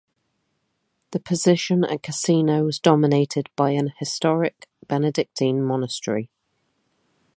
The position at Cassino was dominated by an historic Benedictine monastery.